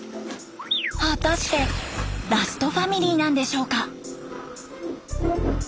果たしてラストファミリーなんでしょうか？